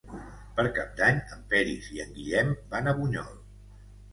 Per Cap d'Any en Peris i en Guillem van a Bunyol.